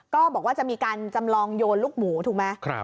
ก็บอกว่าจะมีการจำลองโยนลูกหมูถูกไหม